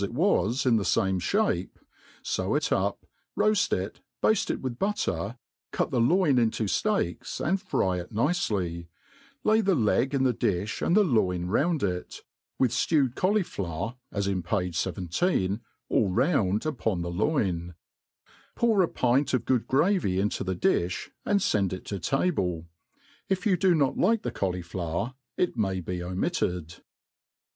it was, in the fame (hape, lew it up, roaft it, bafte it with but ter, cut the loin into fteaks and fry it nicely, lay the leg in tho di(h and the loin round it, with ftewed cauliflower (as in page 17) all round, upon the loin : pout a pint of good gravy into the difl), and fend it to table. If you do not like the cauli* flower, it may be omitted.